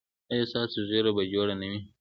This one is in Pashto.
ایا ستاسو ږیره به جوړه نه وي؟